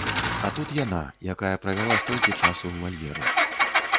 А тут яна, якая правяла столькі часу ў вальеры.